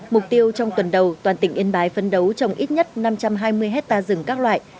mục tiêu trong tuần đầu toàn tỉnh yên bái phấn đấu trồng ít nhất năm trăm hai mươi hectare rừng các loại